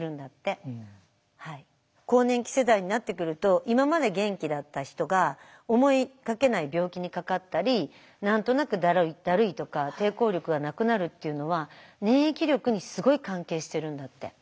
更年期世代になってくると今まで元気だった人が思いがけない病気にかかったり何となくだるいとか抵抗力がなくなるっていうのは粘液力にすごい関係してるんだって。